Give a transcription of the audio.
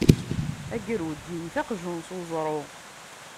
Agrud iwet aqjun s uẓru.